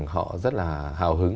họ rất là hào hứng